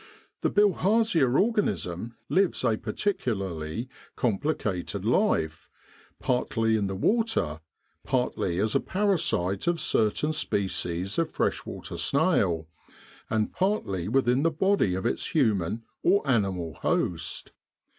The bilharzia organism lives a particularly complicated life, partly in the water, partly as a parasite of certain species of fresh water snail, and partly within the body of its human or animal host.